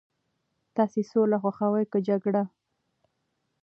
تاسي سوله خوښوئ که جګړه؟